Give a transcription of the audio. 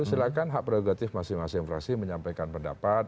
silahkan hak prerogatif masing masing fraksi menyampaikan pendapat